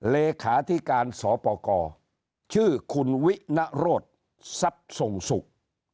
เลขาธิการสปกรชื่อคุณวินโรธทรัพย์ส่งสุข